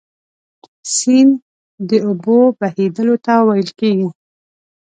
سیند د اوبو بهیدلو ته ویل کیږي.